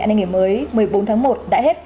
an ninh ngày mới một mươi bốn tháng một đã hết